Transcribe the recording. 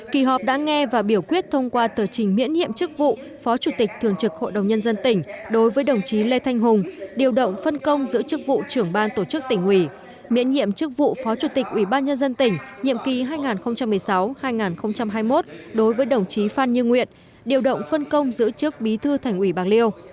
kỳ họp đã nghe và biểu quyết thông qua tờ trình miễn nhiệm chức vụ phó chủ tịch thường trực hội đồng nhân dân tỉnh đối với đồng chí lê thanh hùng điều động phân công giữa chức vụ trưởng ban tổ chức tỉnh ủy miễn nhiệm chức vụ phó chủ tịch ủy ban nhân dân tỉnh nhiệm kỳ hai nghìn một mươi sáu hai nghìn hai mươi một đối với đồng chí phan như nguyện điều động phân công giữa chức bí thư thành ủy bạc liêu